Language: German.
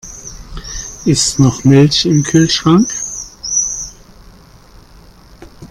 Ist noch Milch im Kühlschrank?